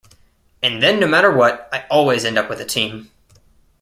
And then no matter what, I always end up with a team.